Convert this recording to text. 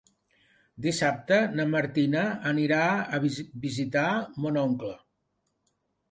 Dissabte na Martina anirà a visitar mon oncle.